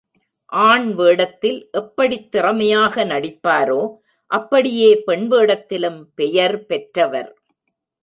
ஆண் வேடத்தில் எப்படித் திறமையாக நடிப்பாரோ அப்படியே பெண் வேடத்திலும் பெயர் பெற்றவர்.